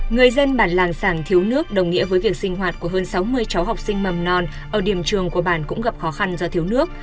người dân bản làng sảng thiếu nước đồng nghĩa với việc sinh hoạt của hơn sáu mươi cháu học sinh mầm non ở điểm trường của bản cũng gặp khó khăn do thiếu nước